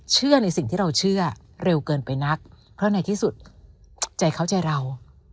ในสิ่งที่เราเชื่อเร็วเกินไปนักเพราะในที่สุดใจเขาใจเรา